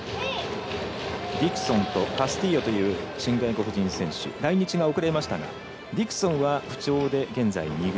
ディクソンとカスティーヨという新外国人選手来日が遅れましたがディクソンは不調で現在２軍。